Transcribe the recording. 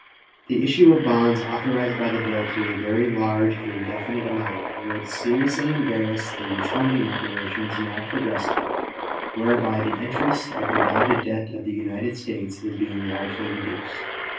The issue of bonds, authorized by the bill to a very large and indefinite amount, would seriously embarrass the refunding operations now progressing, whereby the interest of the bonded debt of the United States is being largely reduced.